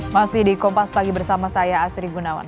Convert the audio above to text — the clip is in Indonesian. masih di kompas pagi bersama saya asri gunawan